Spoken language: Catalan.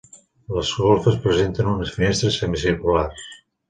Les golfes presenten unes finestres semicirculars.